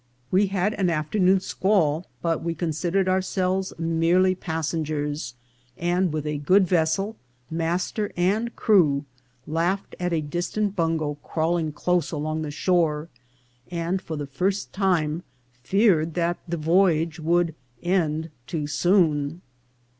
We had an afternoon squall, but we considered ourselves merely passengers, and, with a good vessel, master, and crew, laughed at a distant bungo crawling close along the shore, and for the first time feared that the voyage would end too soon.